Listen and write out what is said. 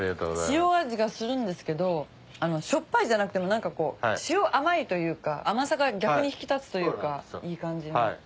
塩味がするんですけどしょっぱいじゃなくて塩甘いというか甘さが逆に引き立つというかいい感じの。